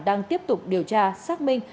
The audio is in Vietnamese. đang tiếp tục điều tra xác minh